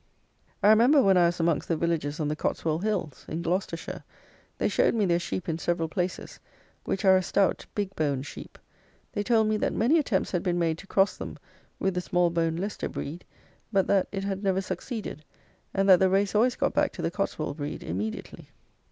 I remember when I was amongst the villages on the Cotswold hills, in Gloucestershire, they showed me their sheep in several places, which are a stout big boned sheep. They told me that many attempts had been made to cross them with the small boned Leicester breed, but that it had never succeeded, and that the race always got back to the Cotswold breed immediately.